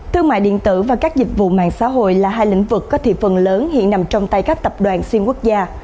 thương mại điện tử và các dịch vụ mạng xã hội là hai lĩnh vực có thị phần lớn hiện nằm trong tay các tập đoàn xuyên quốc gia